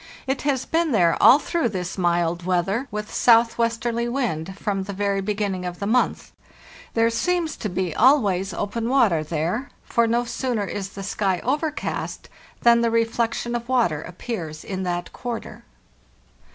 It has been there all through this mild weather, with southwest erly wind, from the very beginning of the month. There seems to be always open water there, for no sooner is the sky overcast than the reflection of water appears in that quarter.